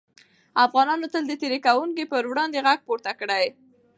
افغانانو تل د تېري کوونکو پر وړاندې غږ پورته کړی.